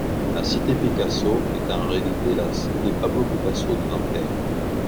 La cité Picasso est en réalité la cité Pablo-Picasso de Nanterre.